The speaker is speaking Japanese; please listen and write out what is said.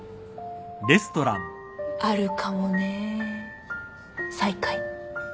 あるかもねぇ再会。